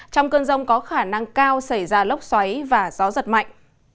trong cơn rông có khả năng cao xảy ra lốc xoáy và gió giật mạnh